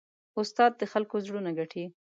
استاد د خلکو زړونه ګټي.